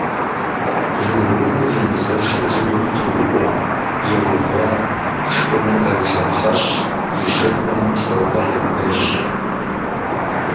ЖыгыуIур емызэшу жыгым тоуIуэ, еугъуэн, шхыныр къеулъэпхъэщ, и шырхэм псэупIэ яхуещI.